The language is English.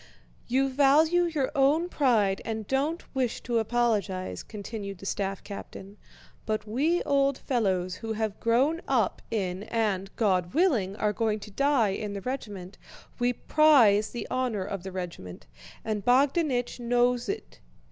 "You value your own pride and don't wish to apologize," continued the staff captain, "but we old fellows, who have grown up in and, God willing, are going to die in the regiment, we prize the honor of the regiment, and Bogdánich knows it.